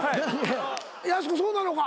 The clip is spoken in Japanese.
やす子そうなのか？